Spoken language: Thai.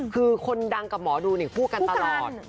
คือคนดังกับหมอดูคู่กันตลอด